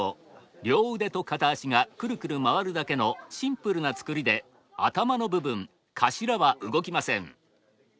両腕と片足がくるくる回るだけのシンプルな作りで頭の部分頭は動きません。